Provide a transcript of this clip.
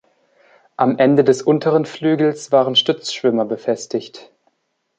Am Ende des unteren Flügels waren Stützschwimmer befestigt.